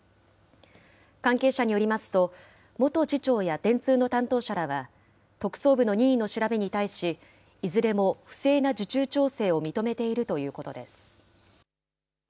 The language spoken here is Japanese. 関係者によりますと、元次長や電通の担当者らは、特捜部の任意の調べに対し、いずれも不正な受注調整を認めているということです。